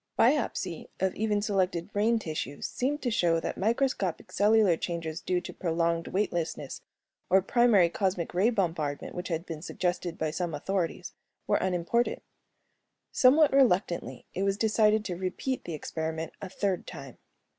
Biopsy of even selected brain tissues seemed to show that microscopic cellular changes due to prolonged weightlessness or primary cosmic ray bombardment, which had been suggested by some authorities, were unimportant. Somewhat reluctantly, it was decided to repeat the experiment a third time.